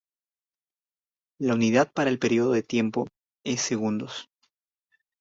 La unidad para el período de tiempo es 'segundos'.